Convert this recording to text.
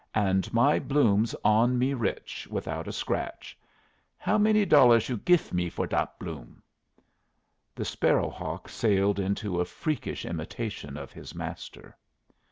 And my bloom's on me rich, without a scratch. How many dollars you gif me for dat bloom?" The sparrow hawk sailed into a freakish imitation of his master.